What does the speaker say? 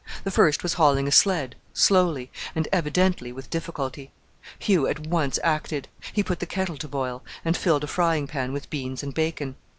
The first was hauling a sled, slowly, and evidently with difficulty. Hugh at once acted. He put the kettle to boil, and filled a frying pan with beans and bacon.